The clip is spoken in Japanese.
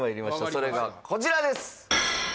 それがこちらです